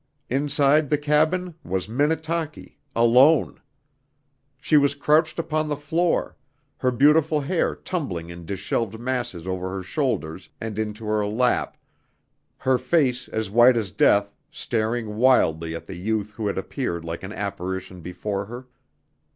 Inside the cabin was Minnetaki, alone! She was crouched upon the floor, her beautiful hair tumbling in disheveled masses over her shoulders and into her lap, her face, as white as death, staring wildly at the youth who had appeared like an apparition before her.